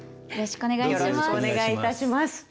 よろしくお願いします。